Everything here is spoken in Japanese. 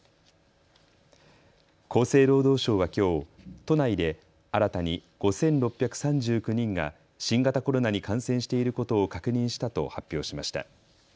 厚生労働省はきょう都内で新たに５６３９人が新型コロナに感染していることを確認したと発表しました。